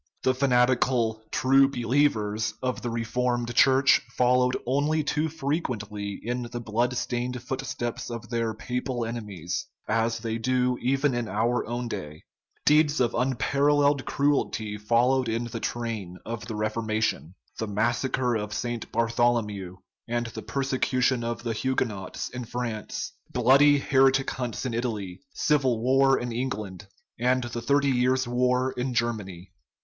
The fanati cal "true believers" of the reformed Church followed only too frequently in the blood stained footsteps of their papal enemies ; as they do even in our own day. 320 SCIENCE AND CHRISTIANITY Deeds of unparalleled cruelty followed in the train of the Reformation the massacre of St. Bartholomew and the persecution of the Huguenots in France, bloody heretic hunts in Italy, civil war in England, and the Thirty Years War in Germany.